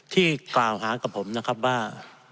ที่กล่าวหากับผมนะครับว่า